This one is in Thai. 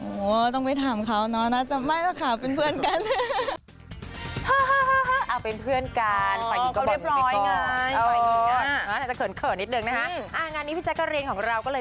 โอ้โฮต้องไปถามเขานะมอย